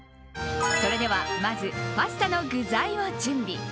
それではまずパスタの具材を準備。